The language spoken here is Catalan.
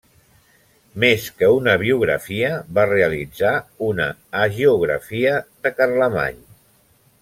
Més que una biografia, va realitzar una hagiografia de Carlemany.